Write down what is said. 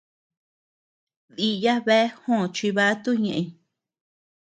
Diya bea jòò chivato ñeʼëñ.